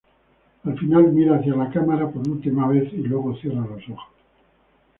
Al final, mira hacia la cámara por última vez y luego cierra los ojos.